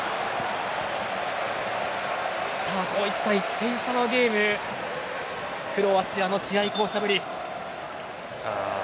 こういった１点差のゲームただ、クロアチアの試合巧者ぶり。